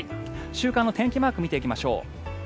週間の天気マーク見ていきましょう。